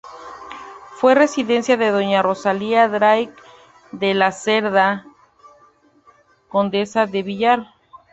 Fue residencia de doña Rosalía Drake de la Cerda, condesa de Villar.